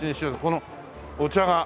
このお茶が。